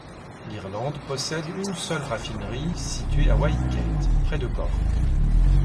L'Irlande possède une seule raffinerie située à Whitegate près de Cork.